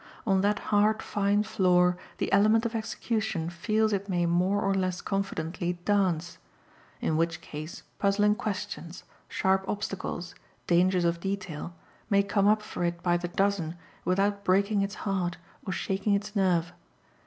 On that hard fine floor the element of execution feels it may more or less confidently DANCE; in which case puzzling questions, sharp obstacles, dangers of detail, may come up for it by the dozen without breaking its heart or shaking its nerve.